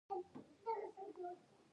د خوست په قلندر کې د مسو نښې شته.